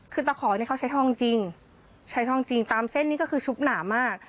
คือตะขอเนี่ยเขาใช้ทองจริงใช้ทองจริงตามเส้นนี้ก็คือชุบหนามาก